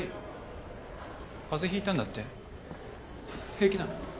平気なの？